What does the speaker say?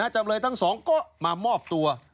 จำเลยทั้งสองก็มามอบตัว